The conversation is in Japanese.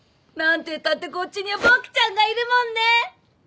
何てったってこっちにはボクちゃんがいるもんね！